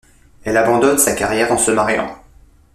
Elle abandonne sa carrière en se mariant.